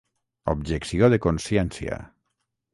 Objecció de consciència.